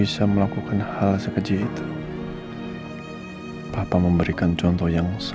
selalu bahagia dan tenang